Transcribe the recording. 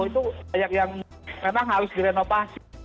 itu banyak yang memang harus direnovasi